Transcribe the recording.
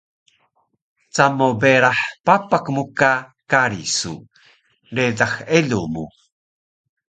Camo berah papak mu ka kari su, ledax elu mu